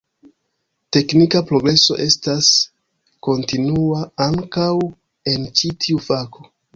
Teknika progreso estas kontinua ankaŭ en ĉi tiu fako.